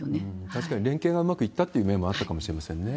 確かに連携がうまくいったという面もあったかもしれませんね。